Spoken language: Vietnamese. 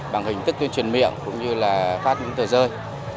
bằng hình thức tuyên truyền miệng cũng như là phát những tờ rơi